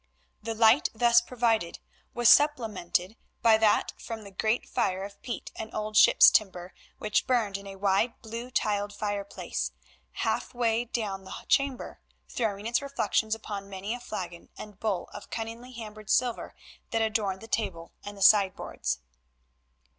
The light thus provided was supplemented by that from the great fire of peat and old ships' timber which burned in a wide blue tiled fire place, half way down the chamber, throwing its reflections upon many a flagon and bowl of cunningly hammered silver that adorned the table and the sideboards.